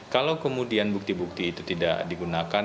kalau kemudian bukti bukti itu tidak digunakan